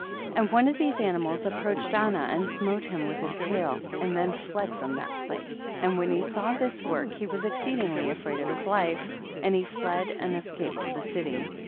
33. And one of these animals ap proached Anah and smote him with his tail, and then fled from that place. 34. And when he saw this work he was exceedingly afraid of his life, and he fled and escaped to the city.